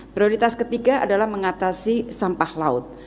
prioritas ketiga adalah mengatasi sampah laut